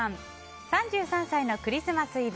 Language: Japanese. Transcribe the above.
３３歳のクリスマスイブ。